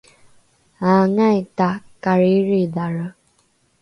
aangai takariiridhare?